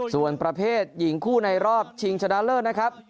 ส่วนประเภทหญิงคู่ในรอบชิงชนะเลิศนะครับ